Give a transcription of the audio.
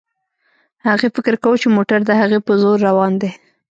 هغې فکر کاوه چې موټر د هغې په زور روان دی.